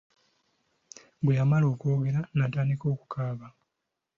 Bwe yamala okwogera n'atandika okukaaba.